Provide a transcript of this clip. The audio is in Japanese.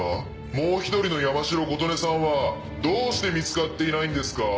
もう１人の山城琴音さんはどうして見つかっていないんですか？